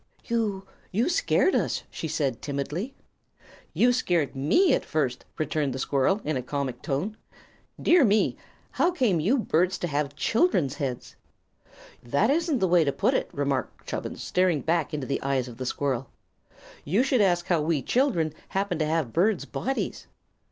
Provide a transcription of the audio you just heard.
"You you scared us!" she said, timidly. "You scared me, at first," returned the squirrel, in a comic tone. "Dear me! how came you birds to have children's heads?" "That isn't the way to put it," remarked Chubbins, staring back into the eyes of the squirrel. "You should ask how we children happened to have birds' bodies."